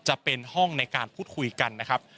จะเป็นห้องในการพูดคุยกันนะครับ